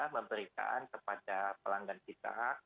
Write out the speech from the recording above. memberikan kepada pelanggan kita